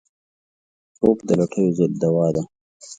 خوب د لټیو ضد دوا ده